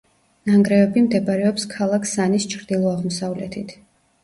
ნანგრევები მდებარეობს ქალაქ სანის ჩრდილო-აღმოსავლეთით.